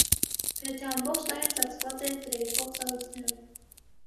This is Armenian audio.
Գրեթե ամբողջ տարին ծածկված է դրեյֆող սառույցներով։